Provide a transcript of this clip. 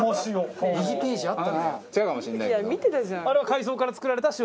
あれは海藻から作られた塩？